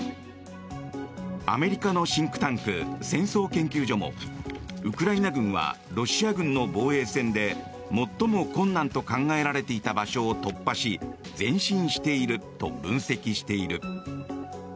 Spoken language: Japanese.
アメリカのシンクタンク戦争研究所もウクライナ軍はロシア軍の防衛線で最も困難と考えられていた場所を突破し前進していると分析している。